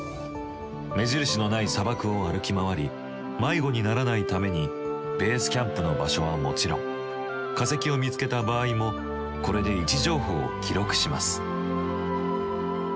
目印のない砂漠を歩き回り迷子にならないためにベースキャンプの場所はもちろん化石を見つけた場合もこれで位置情報を記録します。